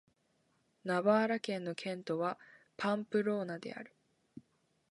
ナバーラ県の県都はパンプローナである